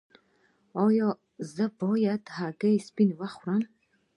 ایا زه باید د هګۍ سپین وخورم؟